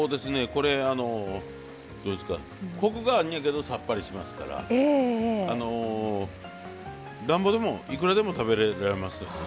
これコクがあんねやけどさっぱりしますからなんぼでもいくらでも食べられますよね。